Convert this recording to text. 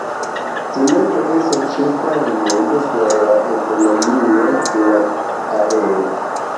Cemento estas ĉefa rimedo por la ekonomio de la areo.